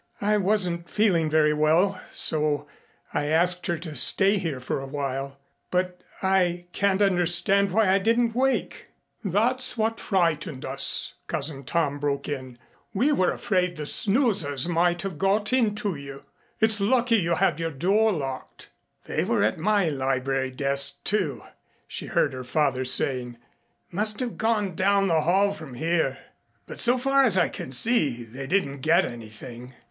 "I wasn't feeling very well so I asked her to stay here for a while. But I can't understand why I didn't wake." "That's what frightened us," Cousin Tom broke in. "We were afraid the snoozers might have got in to you " "It's lucky you had your door locked." "They were at my library desk, too," she heard her father saying. "Must have gone down the hall from here. But so far as I can see, they didn't get anything."